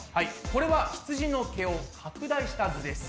これはひつじの毛を拡大した図です。